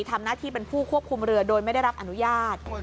ทำหน้าที่เป็นผู้ควบคุมเรือโดยไม่ได้รับอนุญาต